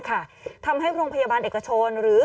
กล้องกว้างอย่างเดียว